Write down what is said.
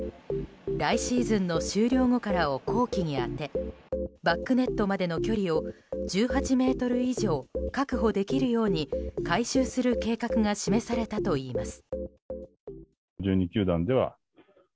来シーズンの終了後からを工期に充てバックネットまでの距離を１８ｍ以上確保できるように改修する計画が示されたといいます。